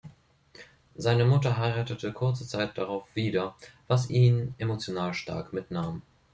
Seine Mutter heiratete kurze Zeit darauf wieder, was ihn emotional stark mitnahm.